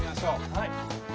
はい！